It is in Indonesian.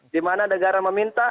di mana negara meminta